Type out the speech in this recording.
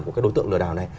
của các đối tượng lừa đảo này